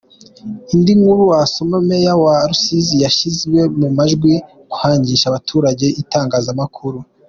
Indi nkuru wasoma: Meya wa Rusizi yashyizwe mu majwi kwangisha abaturage itangazamakuru.